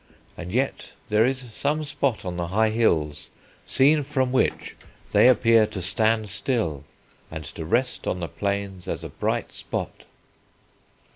And yet there is some spot on the high hills, seen from which they appear to stand still and to rest on the plains as a bright spot."